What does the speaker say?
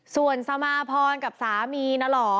ส่วนสมาพรกับสามีนะเหรอ